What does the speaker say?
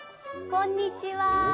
こんにちは。